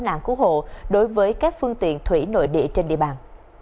nó cũng là phần trả lời cứu nạn cứu hộ đối với các phương tiện thủy nội địa trên địa bàn